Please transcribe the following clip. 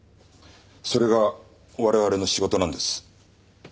それが我々の仕事なんです。